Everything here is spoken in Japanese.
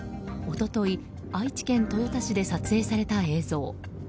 一昨日、愛知県豊田市で撮影された映像。